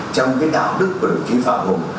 trong cái đạo đức của đồng chí phạm hùng